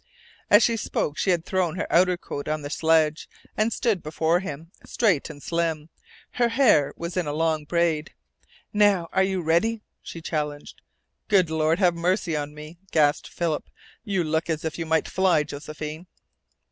As she spoke she had thrown her outer coat on the sledge, and stood before him, straight and slim. Her hair was in a long braid. "Now, are you ready?" she challenged. "Good Lord, have mercy on me!" gasped Philip. "You look as if you might fly, Josephine!"